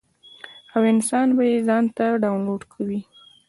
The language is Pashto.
او انسان به ئې ځان ته ډاونلوډ کوي -